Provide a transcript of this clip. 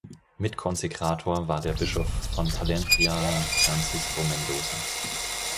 Mitkonsekrator war der Bischof von Palencia, Francisco Mendoza.